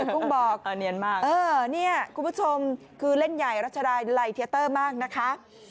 กุ้งบอกเนียนมากเออเนี่ยคุณผู้ชมคือเล่นใหญ่รัชดายไลเทียเตอร์มากนะคะ